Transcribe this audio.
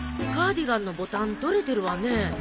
カーディガンのボタン取れてるわねえ。